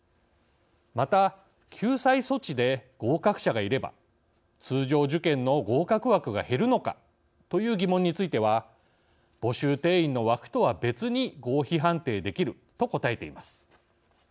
また、救済措置で合格者がいれば通常受験の合格枠が減るのかという疑問については募集定員の枠とは別に合否判定できると答えています。